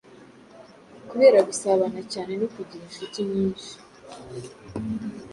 kubera gusabana cyane no kugira inshuti nyinshi